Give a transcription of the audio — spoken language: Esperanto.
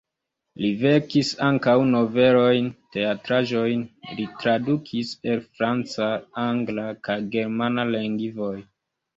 Li verkis ankaŭ novelojn, teatraĵojn, li tradukis el franca, angla kaj germana lingvoj.